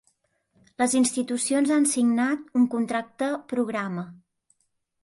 Les institucions han signat un contracte programa.